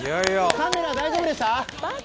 カメラ大丈夫でした？